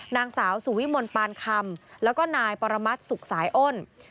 นางสาวสุวิมลปานคำแล้วก็นายปรมัติสุขสายอ้น